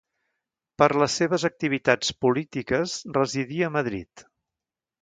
Per les seves activitats polítiques residí a Madrid.